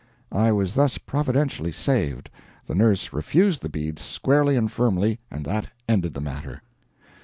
I was thus providentially saved. The nurse refused the beads squarely and firmly, and that ended the matter.